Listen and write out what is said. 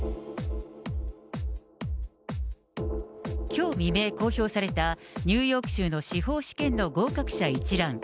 きょう未明公表された、ニューヨーク州の司法試験の合格者一覧。